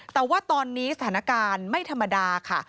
แต่ว่าตอนนี้สถานการณ์ไม่ธรรมดาค่ะ